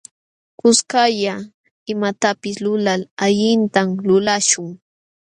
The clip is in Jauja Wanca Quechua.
Kuskalla imatapis lulal allintam lulaśhun.